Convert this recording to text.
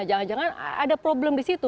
jangan jangan ada problem di situ